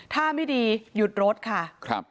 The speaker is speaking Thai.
ถ้าไม่ดีหยุดรถค่ะ